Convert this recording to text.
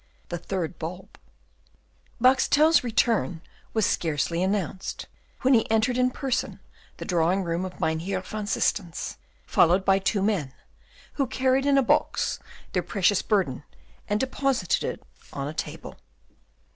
The Third Bulb Boxtel's return was scarcely announced, when he entered in person the drawing room of Mynheer van Systens, followed by two men, who carried in a box their precious burden and deposited it on a table.